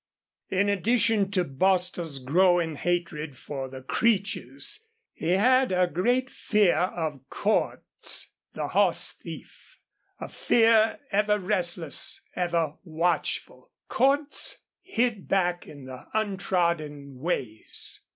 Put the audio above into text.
In addition to Bostil's growing hatred for the Creeches, he had a great fear of Cordts, the horse thief. A fear ever restless, ever watchful. Cordts hid back in the untrodden ways.